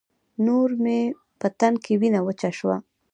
نور مې په تن کې وينه وچه شوه.